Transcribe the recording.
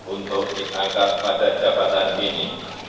untuk diangkat pada jabatan ini